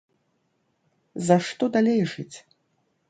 За што далей жыць?